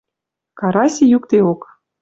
Караси юкдеок